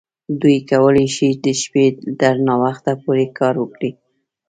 دوی کولی شي د شپې تر ناوخته پورې کار وکړي